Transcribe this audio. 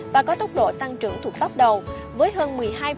và có tốc độ tăng trưởng thuộc tóc đầu với hơn một mươi hai một mươi bốn